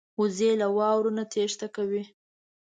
وزې له واورو نه تېښته کوي